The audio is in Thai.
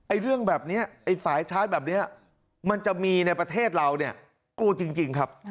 เรื่องแบบนี้ไอ้สายชาร์จแบบนี้มันจะมีในประเทศเราเนี่ยกลัวจริงครับ